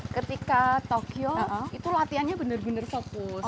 ketika tokyo itu latihannya benar benar fokus